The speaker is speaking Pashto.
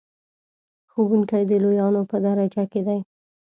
ښوونکی د لویانو په درجه کې دی.